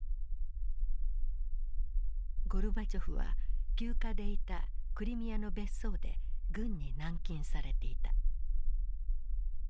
ゴルバチョフは休暇でいたクリミアの別荘で軍に軟禁されていた。